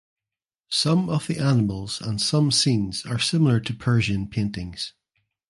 Some of the animals and some scenes are similar to Persian paintings.